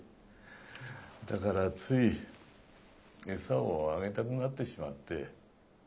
だからつい餌をあげたくなってしまって。